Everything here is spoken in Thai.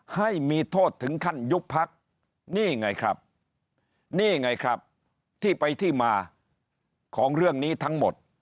ให้มีโทษถึงขั้นยุบพักนี่ไงครับนี่ไงครับที่ไปที่มาของเรื่องนี้ทั้งหมด